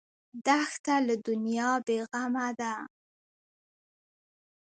دښته له دنیا بېغمه ده.